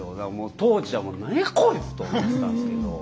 当時はもう何やこいつと思ってたんですけど。